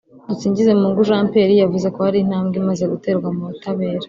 Dusingizemungu Jean Pierre yavuze ko hari intambwe imaze guterwa mu butabera